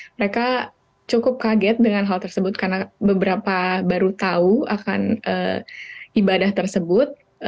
mereka cukup kaget dengan hal tersebut karena beberapa baru tahu akan ibadah tersebut